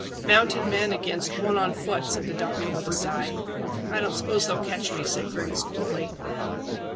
"Mounted men against one on foot," said the doctor, with a sigh. "I don't suppose they'll catch me," said Griggs coolly.